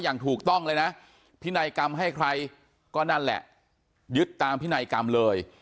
อย่างถูกต้องเลยนะพินัยกรรมให้ใครก็นั่นแหละยึดตามพินัยกรรมเลย